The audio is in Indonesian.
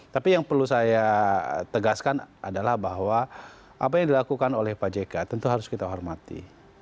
tapi yang perlu saya tegaskan adalah bahwa apa yang dilakukan oleh pak jk tentu harus kita hormati